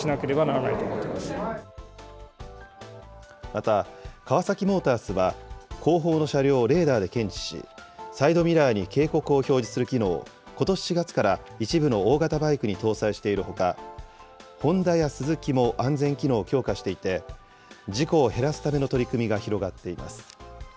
また、カワサキモータースは、後方の車両をレーダーで検知し、サイドミラーに警告を表示する機能を、ことし４月から一部の大型バイクに搭載しているほか、ホンダやスズキも安全機能を強化していて、事故を減らすための取り組みが広がっています。